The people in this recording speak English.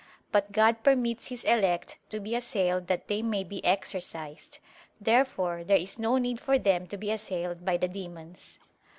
But God permits His elect to be assailed that they may be exercised. Therefore there is no need for them to be assailed by the demons.